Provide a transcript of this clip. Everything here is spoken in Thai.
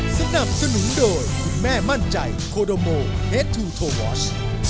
สนับสนุนโดยคุณแม่มั่นใจโคโดโมเฮดทูโทวอช